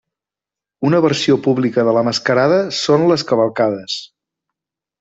Una versió pública de la mascarada són les cavalcades.